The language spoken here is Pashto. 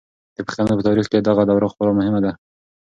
د پښتنو په تاریخ کې دغه دوره خورا مهمه ده.